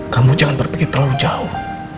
kamu jangan berpikir terlalu jauh